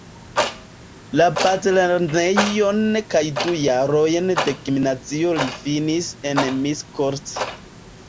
La bazlernejon kaj du jarojn de gimnazio li finis en Miskolc.